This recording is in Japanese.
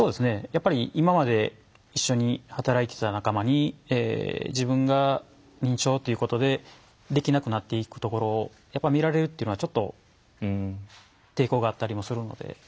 やっぱり今まで一緒に働いていた仲間に自分が認知症だということでできなくなっていくところを見られるというのはちょっと抵抗があったりもするので。